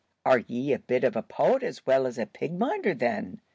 "Are ye a bit of a poet as well as a pig minder, then?"